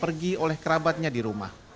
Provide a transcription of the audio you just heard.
atau sedang pergi oleh kerabatnya di rumah